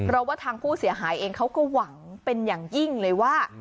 เพราะว่าทางผู้เสียหายเองเขาก็หวังเป็นอย่างยิ่งเลยว่า